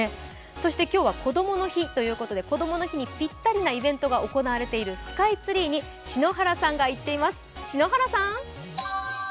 そして今日はこどもの日ということで、こどもの日にぴったりなイベントが行われているスカイツリーに篠原さんが行っています。